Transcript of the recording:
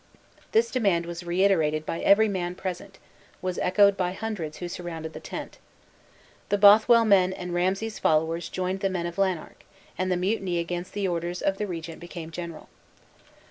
This demand was reiterated by every man present was echoed by hundreds who surrounded the tent. The Bothwell men and Ramsay's followers joined the men of Lanark, and the mutiny against the orders of the regent became general.